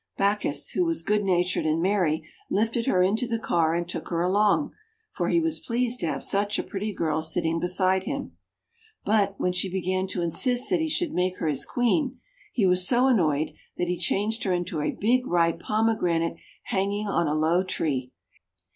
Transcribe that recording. Bacchus, who was good natured and merry, lifted her into the car, and took her along; for he was pleased to have such a pretty girl sitting beside him. But, when she began to insist that he should make her his Queen, he was so annoyed that he changed her into a big ripe Pomegranate hang ing on a low tree.